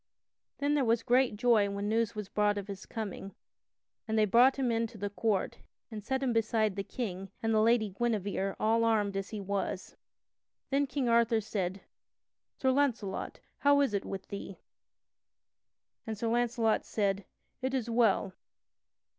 Then there was great joy when news was brought of his coming and they brought him in to the court and set him beside the King and the Lady Guinevere all armed as he was. Then King Arthur said: "Sir Launcelot, how is it with thee?" and Sir Launcelot said: "It is well."